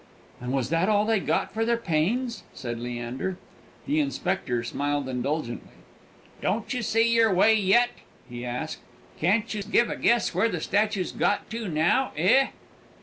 "And was that all they got for their pains?" said Leander. The inspector smiled indulgently. "Don't you see your way yet?" he asked. "Can't you give a guess where that statue's got to now, eh?"